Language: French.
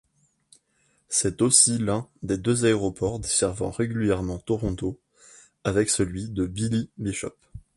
C'est aussi l'un des deux aéroports desservant régulièrement Toronto, avec celui de Billy-Bishop.